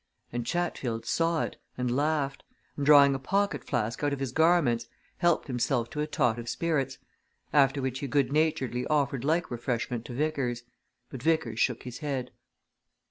And Chatfield saw it, and laughed, and drawing a pocket flask out of his garments, helped himself to a tot of spirits after which he good naturedly offered like refreshment to Vickers. But Vickers shook his head.